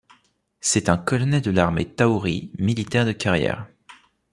C'est un colonel de l'armée Tau'ri, militaire de carrière.